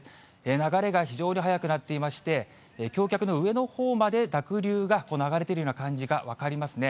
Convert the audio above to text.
流れが非常に速くなっていまして、橋脚の上のほうまで濁流が流れているような感じが分かりますね。